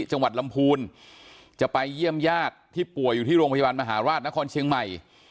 จังหวัดลำพูนจะไปเยี่ยมญาติที่ป่วยอยู่ที่โรงพยาบาลมหาราชนครเชียงใหม่